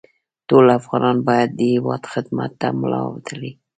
ټول افغانان باید د هېواد خدمت ته ملا وتړي